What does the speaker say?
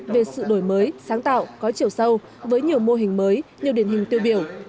về sự đổi mới sáng tạo có chiều sâu với nhiều mô hình mới nhiều điển hình tiêu biểu